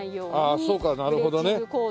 ああそうかなるほどね。